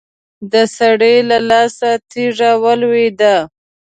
د سړي له لاسه تېږه ولوېده.